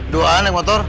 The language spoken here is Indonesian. dua anak motor